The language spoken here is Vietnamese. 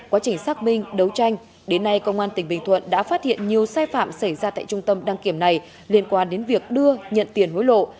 quá trình xác minh đấu tranh đến nay công an tỉnh bình thuận đã phát hiện nhiều sai phạm xảy ra tại trung tâm đăng kiểm này liên quan đến việc đưa nhận tiền hối lộ